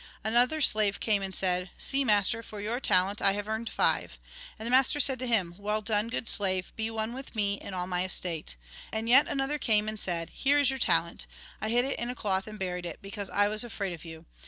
Another slave came, and said :' See, master, for your talent I have earned five.' And the master said to him :' Well done, good slave, be one with me in all my estate.' And yet another came, and said :' Here is your talent, I hid it in a cloth and buried it ; because I was afraid of you.